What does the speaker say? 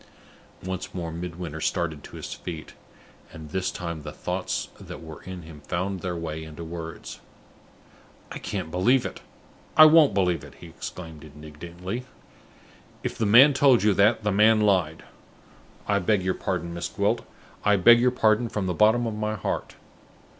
Once more Midwinter started to his feet; and this time the thoughts that were in him found their way into words. "I can't believe it; I won't believe it!" he exclaimed, indignantly. "If the man told you that, the man lied. I beg your pardon, Miss Gwilt; I beg your pardon from the bottom of my heart.